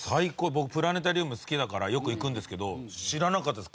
僕プラネタリウム好きだからよく行くんですけど知らなかったです